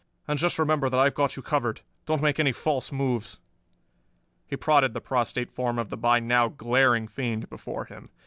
And just remember that I've got you covered; don't make any false moves." He prodded the prostrate form of the by now glaring fiend before him.